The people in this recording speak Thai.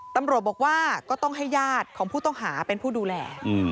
ตำรวจบอกว่าก็ต้องให้ญาติของผู้ต้องหาเป็นผู้ดูแล